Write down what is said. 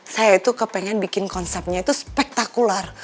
saya tuh kepengen bikin konsepnya itu spektakular